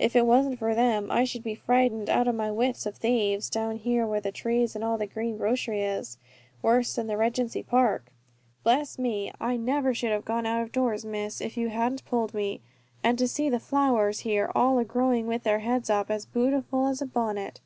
If it wasn't for them I should be frightened out of my wits of thieves, down here where the trees and all the green grocery is, worse than the Regency Park. Bless me, I never should have gone out of doors, Miss, if you hadn't pulled me. And to see the flowers here all a growing with their heads up as bootiful as a bonnet.